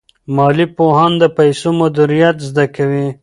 مالي پوهان د پیسو مدیریت زده کوي.